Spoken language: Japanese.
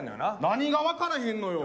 何がわからへんのよ？